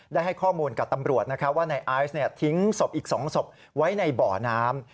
ได้ให้ข้อมูลกับตำรวจว่านายไอซ์ทิ้งศพอีก๒ศพไว้ในบ่อน้ำ